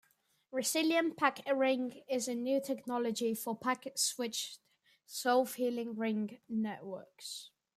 Resilient Packet Ring is a new technology for packet-switched self-healing ring networks.